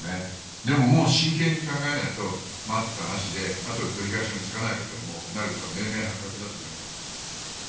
でももう真剣に考えないと待ったなしであとで取り返しのつかないことになるのは明々白々だと思いますね。